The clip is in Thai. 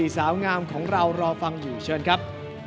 สาวงามของเรารอฟังอยู่เชิญครับ